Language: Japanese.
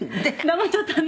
黙っちゃったね」